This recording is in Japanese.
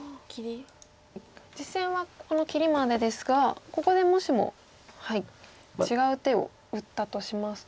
実戦はこの切りまでですがここでもしも違う手を打ったとしますと。